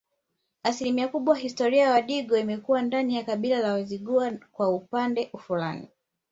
Asilimia kubwa historia ya Wadigo imekuwa ndani ya kabila la Wazigua kwa upande fulani